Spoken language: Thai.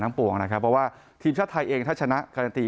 ปวงนะครับเพราะว่าทีมชาติไทยเองถ้าชนะการันตี